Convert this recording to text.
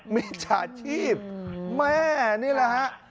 มิจฉาชีพแม่นี่แหละฮะ